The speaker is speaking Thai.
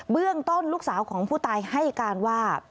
เรื่องต้นลูกสาวของผู้ตายให้การว่า